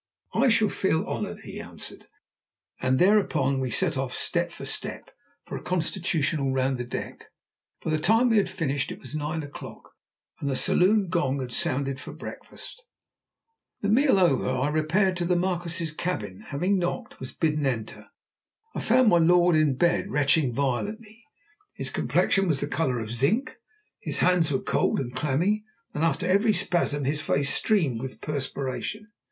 "I shall feel honoured," he answered, and thereupon we set off, step for step, for a constitutional round the deck. By the time we had finished it was nine o'clock, and the saloon gong had sounded for breakfast. The meal over, I repaired to the Marquis's cabin, and having knocked, was bidden enter. I found my lord in bed, retching violently; his complexion was the colour of zinc, his hands were cold and clammy, and after every spasm his face streamed with perspiration.